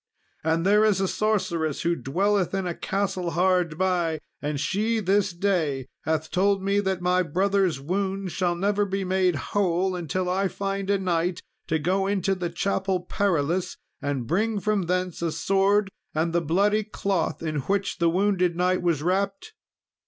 And there is a sorceress, who dwelleth in a castle hard by, and she this day hath told me that my brother's wound shall never be made whole until I find a knight to go into the Chapel Perilous, and bring from thence a sword and the bloody cloth in which the wounded knight was wrapped."